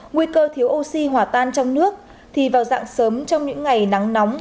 nguy cơ thiếu oxy hỏa tan trong nước thì vào dạng sớm trong những ngày nắng nóng